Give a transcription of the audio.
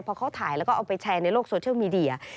พอเขาถ่ายแล้วก็เอาไปแชร์ในโลกโซเชียลมีเดีย